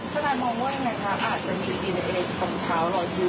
ถ้าท่านมองว่ายังไงครับอาจจะมีดีในตรงเท้ารอยพิว